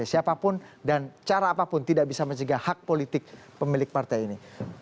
siapapun dan cara apapun tidak bisa mencegah hak politik pemilik partai ini